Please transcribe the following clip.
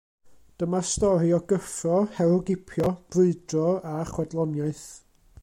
Dyma stori o gyffro, herwgipio, brwydro a chwedloniaeth.